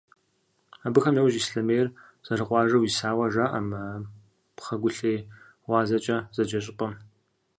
Абыхэм яужь Ислъэмейр зэрыкъуажэу исауэ жаӏэ мы «Пхъэгулъей гъуазэкӏэ» зэджэ щӏыпӏэм.